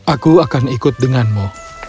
aku akan ikut denganmu